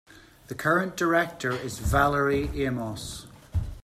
The current Director is Valerie Amos.